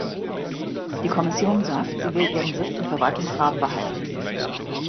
Die Kommission sagt, sie will ihren Sitz im Verwaltungsrat behalten.